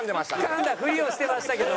噛んだふりをしてましたけど。